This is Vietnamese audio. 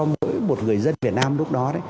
mỗi một người dân việt nam lúc đó